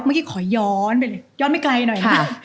เมื่อกี้ขอย้อนไปเลยย้อนไม่ไกลหน่อยค่ะ